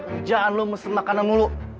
kejahan lo mesti makanan dulu